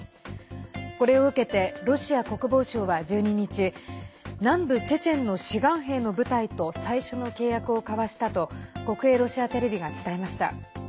これを受けてロシア国防省は１２日南部チェチェンの志願兵の部隊と最初の契約を交わしたと国営ロシアテレビが伝えました。